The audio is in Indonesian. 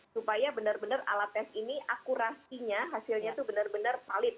supaya benar benar alat tes ini akurasinya hasilnya itu benar benar valid